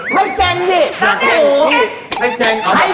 ให้เก่งให้เก่งก็มี